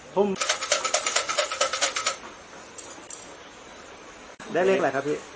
สำเร็จสนุกแรงแรง